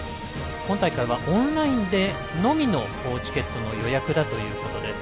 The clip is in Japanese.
今大会はオンラインでのみのチケットの予約だということです。